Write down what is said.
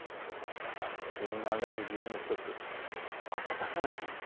気温が上がる理由の１つ、暖かな空気。